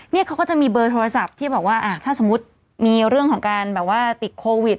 เขาก็จะมีเบอร์โทรศัพท์ที่บอกว่าถ้าสมมุติมีเรื่องของการแบบว่าติดโควิด